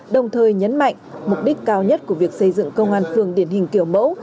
đồng thời nhấn mạnh mục đích cao nhất của việc xây dựng công an phường điển hình kiểu mẫu